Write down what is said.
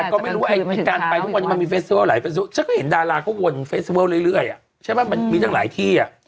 แต่ก็ไม่รู้ว่าการไปทุกวันมันมีเฟสเซิวล์หลายฉันก็เห็นดาราก็วนเฟสเซิวล์เรื่อยมันมีทั้งหลายที่อะ